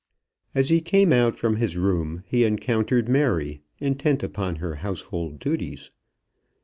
As he came out from his room, he encountered Mary, intent upon her household duties.